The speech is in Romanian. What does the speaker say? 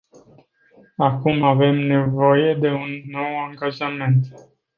Acum avem nevoie de un nou angajament.